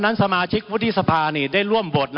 มันมีมาต่อเนื่องมีเหตุการณ์ที่ไม่เคยเกิดขึ้น